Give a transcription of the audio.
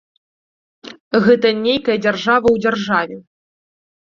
Гэта нейкая дзяржава ў дзяржаве.